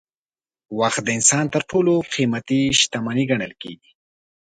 وخت د انسان تر ټولو قیمتي شتمني ګڼل کېږي.